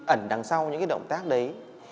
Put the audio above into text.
ẩn đằng sau những cái động tác đấy